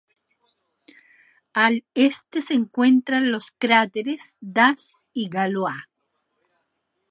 Al este se encuentran los cráteres Das y Galois.